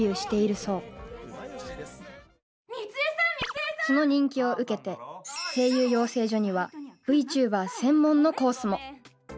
多いときはその人気を受けて声優養成所にはＶＴｕｂｅｒ専門のコースも。